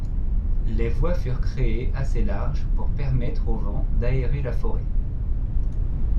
Les voies furent créées assez larges pour permettre au vent d'aérer la forêt.